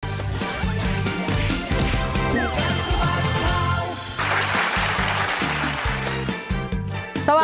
แบรนดี้โชว์แรกสิงห้าสาม